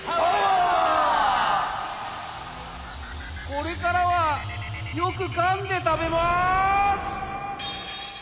これからはよくかんでたべます。